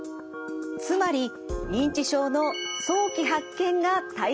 つまり認知症の早期発見が大切なんです。